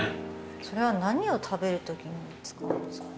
それは何を食べるときに使うんですか？